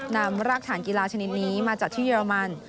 รากฐานกีฬาชนิดนี้มาจากที่เยอรมัน